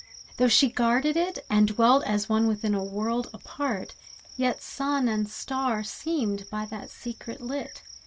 Though she guarded it, And dwelt as one within a world apart, Yet sun and star seemed by that secret lit.